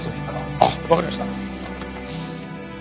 あっわかりました。